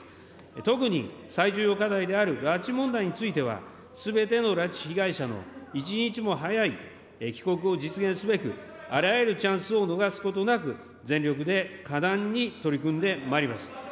特に最重要課題である拉致問題については、すべての拉致被害者の一日も早い帰国を実現すべく、あらゆるチャンスを逃すことなく、全力で果断に取り組んでまいります。